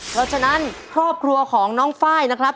เพราะฉะนั้นครอบครัวของน้องไฟล์นะครับ